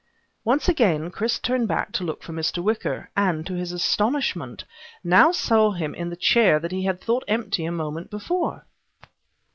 Once again Chris turned back to look for Mr. Wicker, and to his astonishment, now saw him in the chair that he had thought empty a moment before.